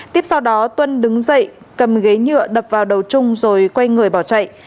tiếp sau đó tuân đứng dậy cầm ghế nhựa đập vào đầu chung rồi quay người bỏ chạy